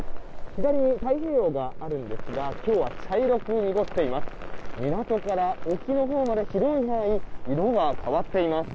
左に太平洋があるんですが今日は茶色く濁っています。